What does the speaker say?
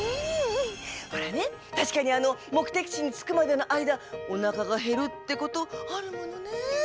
ほらねたしかにもくてきちにつくまでのあいだおなかがへるってことあるものね。